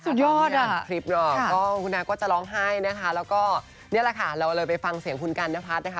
ตอนนี้อันคลิปเนอะคุณนัทก็จะร้องไห้นะคะแล้วนี่แหละค่ะเราเลยไปฟังเสียงคุณกัลนภัทรนะคะ